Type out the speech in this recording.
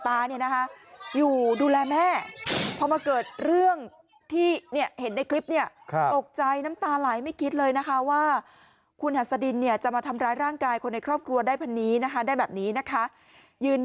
ตาเนี่ยนะคะอยู่ดูแลแม่พอมาเกิดเรื่องที่เนี่ยเห็นในคลิปเนี่ย